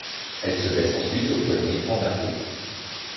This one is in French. Elle se blesse ensuite au poignet en avril.